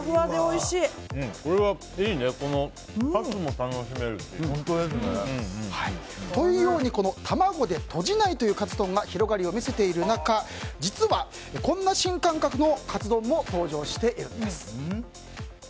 いいね、カツも楽しめるし。というように卵でとじないというカツ丼が広がりを見せている中実は、こんな新感覚のカツ丼も登場しているんです。